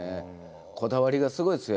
こだわりがすごいですよ